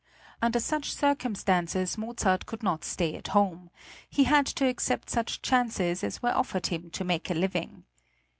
Under such circumstances Mozart could not stay at home; he had to accept such chances as were offered him to make a living.